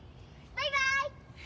バイバイ！